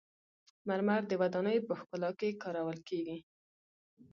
مرمر د ودانیو په ښکلا کې کارول کیږي.